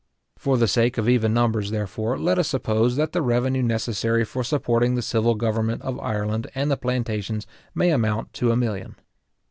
For the sake of even numbers, therefore, let us suppose that the revenue necessary for supporting the civil government of Ireland and the plantations may amount to a million.